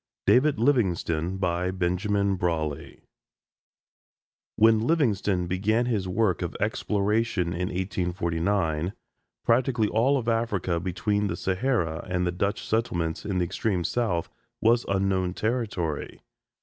DAVID LIVINGSTONE BENJAMIN BRAWLEY When Livingstone began his work of exploration in 1849, practically all of Africa between the Sahara and the Dutch settlements in the extreme South was unknown territory.